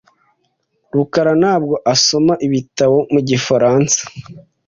rukara ntabwo asoma ibitabo mu gifaransa .